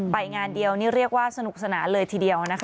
ไปงานเดียวนี่เรียกว่าสนุกสนานเลยทีเดียวนะคะ